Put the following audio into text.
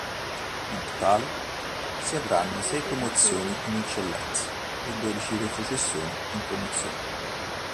In totale, si avranno sei promozioni in Eccellenza e dodici retrocessioni in Promozione.